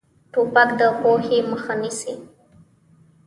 توپک د پوهې مخه نیسي.